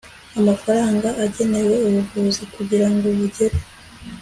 amafaranga agenewe ubuvuzi kugira ngo bugere